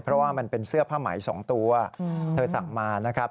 เพราะว่ามันเป็นเสื้อผ้าไหม๒ตัวเธอสั่งมานะครับ